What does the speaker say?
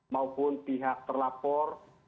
maupun pihak terlapor